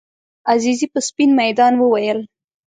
عزیزي په سپین میدان وویل.